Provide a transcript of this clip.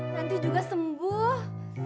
nanti juga sembuh